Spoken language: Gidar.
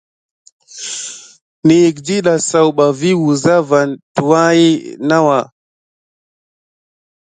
Nəyəka ɗiɗa zaouɓa vi wulza vane tuwaki nawà.